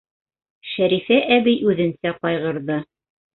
Шәрифә әбей үҙенсә ҡайғырҙы: